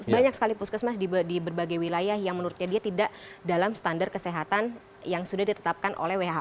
banyak sekali puskesmas di berbagai wilayah yang menurutnya dia tidak dalam standar kesehatan yang sudah ditetapkan oleh who